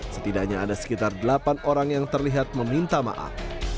setidaknya ada sekitar delapan orang yang terlihat meminta maaf